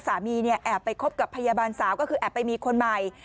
สามีเนี่ยแอบไปคบกับพยาบาลสาวก็คือแอบไปมีคนใหม่